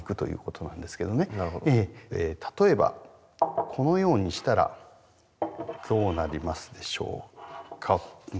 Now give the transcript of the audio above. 例えばこのようにしたらどうなりますでしょうか？